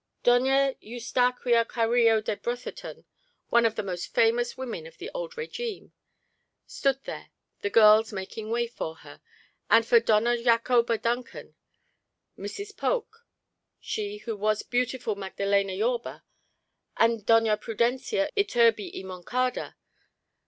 Doña Eustaquia Carillo de Brotherton, one of the most famous women of the old régime, stood there, the girls making way for her, and for Doña Jacoba Duncan, Mrs. Polk, she who was beautiful Magdaléna Yorba, and Doña Prudencia Iturbi y Moncada.